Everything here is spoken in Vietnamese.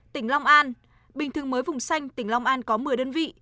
tỉnh long an bình thường mới vùng xanh tỉnh long an có một mươi đơn vị